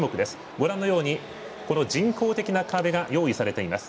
ご覧のように人工的な壁が用意されています。